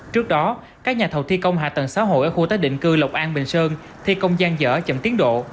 trước đó các nhà thầu thi công hạ tầng xã hội ở khu tái định cư lộc an bình sơn thi công gian dở chậm tiến độ